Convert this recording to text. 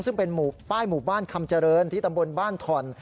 ซึ่งเป็นป้ายหมู่บ้านคำเจริญที่ตำบลบ้านถ่อน